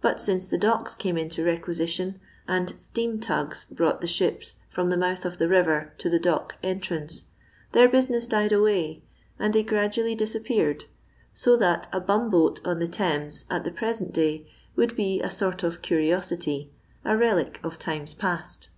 But since the docks came into requisition, and steam tugs brought the ships from the mouth of the river to the dock entrance, their business died away, and they gradually dis appeared ; so that a bumboat on the Thames at the present day would be a sort of curiosity, a relic of times past.